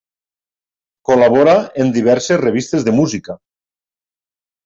Col·labora en diverses revistes de música.